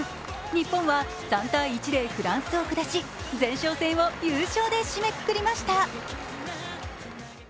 日本は３−１でフランスを下し前哨戦を優勝で締めくくりました。